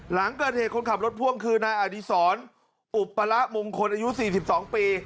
หลังเกิดเหตุคนขับรถพ่วงคือนายอดีศรอุปละมงคลอายุ๔๒ปี